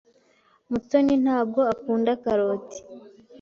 Mutoni ntabwo akunda karoti.